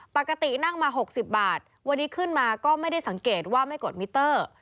ปกตินั่งมา๖๐บาทวันนี้ขึ้นมาก็ไม่ได้สังเกตว่าไม่กดมิเตอร์